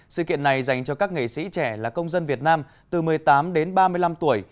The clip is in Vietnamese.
sự kiện này dành cho các nghệ sĩ trẻ là công dân việt nam từ một mươi tám đến ba mươi năm tuổi